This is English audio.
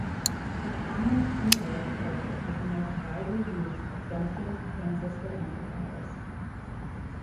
The common- emitter circuit is the most widely used of junction, transistor amplifiers.